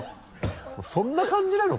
もうそんな感じなの？